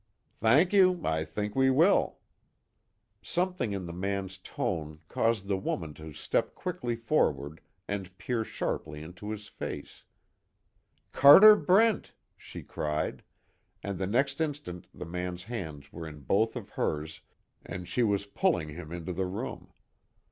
"Thank you. I think we will." Something in the man's tone caused the woman to step quickly forward and peer sharply into his face: "Carter Brent!" she cried, and the next instant the man's hands were in both of hers, and she was pulling him into the room.